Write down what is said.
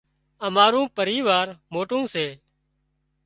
امارون پريوار موٽون سي